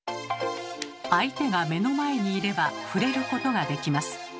相手が目の前にいれば触れることができます。